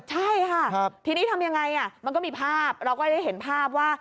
ใช่ค่ะทีนี้ทำยังไงมันก็มีภาพเราก็ได้เห็นภาพว่า